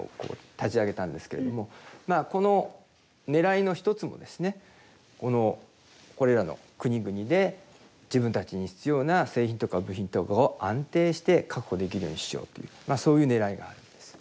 まあこのねらいの一つもですねこれらの国々で自分たちに必要な製品とか部品とかを安定して確保できるようにしようというそういうねらいがあるんです。